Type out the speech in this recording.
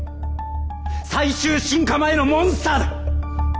最終進化前のモンスターだ！